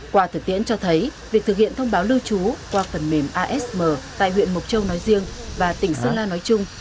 qua thực tiễn cho thấy việc thực hiện thông báo lưu trú qua phần mềm asm tại huyện mộc châu nói riêng và tỉnh sơn la nói chung